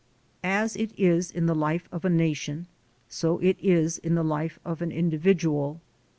As it is in the life of a nation, so it is in the life of an individual.